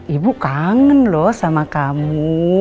ibu kangen loh sama kamu